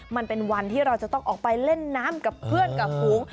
มันเป็นวันที่เราจะต้องออกไปเล่นน้ำกับเพื่อนกับฝูง